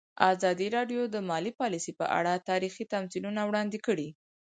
ازادي راډیو د مالي پالیسي په اړه تاریخي تمثیلونه وړاندې کړي.